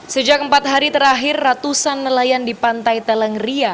sejak empat hari terakhir ratusan nelayan di pantai teleng ria